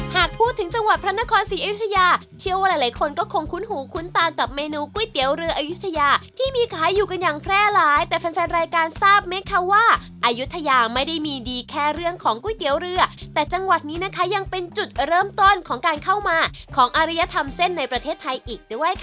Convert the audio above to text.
หากพูดถึงจังหวัดพระนครศรีอยุธยาเชื่อว่าหลายคนก็คงคุ้นหูคุ้นตากับเมนูก๋วยเตี๋ยวเรืออายุทยาที่มีขายอยู่กันอย่างแพร่หลายแต่แฟนแฟนรายการทราบไหมคะว่าอายุทยาไม่ได้มีดีแค่เรื่องของก๋วยเตี๋ยวเรือแต่จังหวัดนี้นะคะยังเป็นจุดเริ่มต้นของการเข้ามาของอาริยธรรมเส้นในประเทศไทยอีกด้วยค่ะ